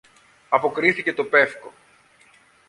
αποκρίθηκε το πεύκο.